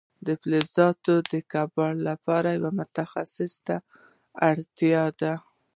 د فلزاتو د کوب لپاره یو متخصص ته اړتیا وه.